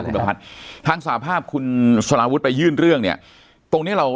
คุณประพัฒน์ทางสาภาพคุณสลาวุฒิไปยื่นเรื่องเนี่ยตรงเนี้ยเรา